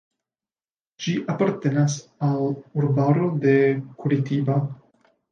Ĝia apartenas al urbaro de Curitiba.